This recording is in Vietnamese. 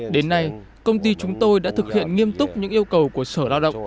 đến nay công ty chúng tôi đã thực hiện nghiêm túc những yêu cầu của sở lao động